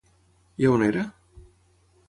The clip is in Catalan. I a on era?